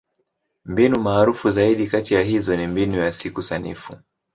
Mbinu maarufu zaidi kati ya hizo ni Mbinu ya Siku Sanifu.